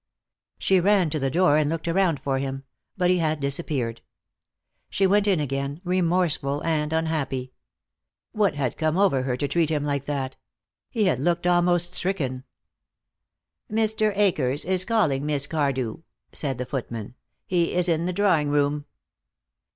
She ran to the door and looked around for him, but he had disappeared. She went in again, remorseful and unhappy. What had come over her to treat him like that? He had looked almost stricken. "Mr. Akers is calling, Miss Cardew," said the footman. "He is in the drawing room."